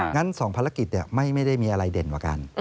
งั้น๒ภารกิจไม่ได้มีอะไรเด่นกว่ากัน